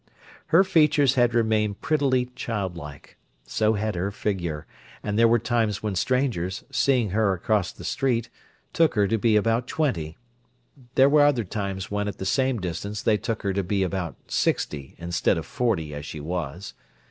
Her features had remained prettily childlike; so had her figure, and there were times when strangers, seeing her across the street, took her to be about twenty; they were other times when at the same distance they took her to be about sixty, instead of forty, as she was.